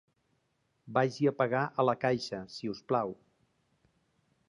Vagi a pagar a la caixa, si us plau.